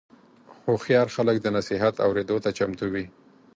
هوښیار خلک د نصیحت اورېدو ته چمتو وي.